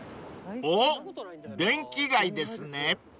［おっ電気街ですね］